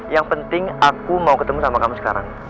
yang penting aku mau ketemu sama kamu sekarang